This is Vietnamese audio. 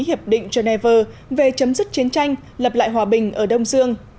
hiệp định geneva về chấm dứt chiến tranh lập lại hòa bình ở đông dương